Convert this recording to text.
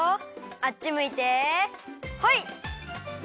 あっちむいてホイ！